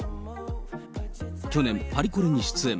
去年、パリコレに出演。